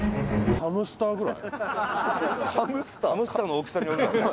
ハムスターの大きさによるだろ。